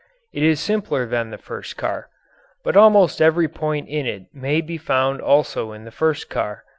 It is simpler than the first car. But almost every point in it may be found also in the first car.